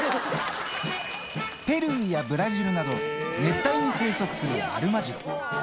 ペルーやブラジルなど、熱帯に生息するアルマジロ。